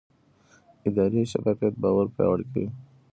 اداري شفافیت باور پیاوړی کوي